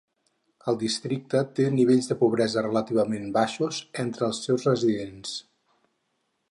El districte té nivells de pobresa relativament baixos entre els seus residents.